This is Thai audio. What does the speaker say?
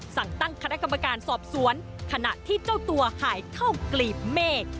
สั่งตั้งคณะกรรมการสอบสวนขณะที่เจ้าตัวหายเข้ากลีบเมฆ